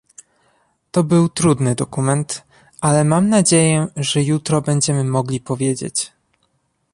To był trudny dokument, ale mam nadzieję, że jutro będziemy mogli powiedzieć